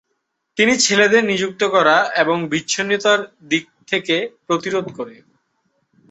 তিনি ছেলেদের নিযুক্ত করা এবং বিচ্ছিন্নতার দিক থেকে প্রতিরোধ করে।